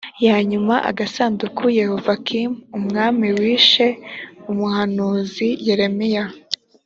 ya nyuma agasanduku yehoyakimu umwami wishe umuhanuzi yeremiya